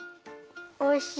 おいしい。